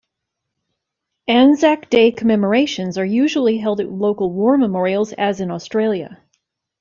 Anzac Day commemorations are usually held at local war memorials as in Australia.